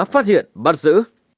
phát hiện bắt giữ